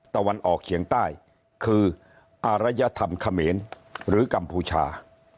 ตะวันออกเฉียงใต้คืออารยธรรมเขมรหรือกัมพูชา